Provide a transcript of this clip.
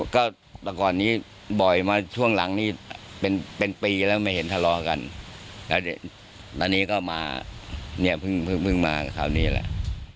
ก็แต่ก่อนนี้บ่อยมาช่วงหลังนี้เป็นปีแล้วไม่เห็นทะเลาะกันแล้วอันนี้ก็มาเนี่ยเพิ่งมาคราวนี้แหละ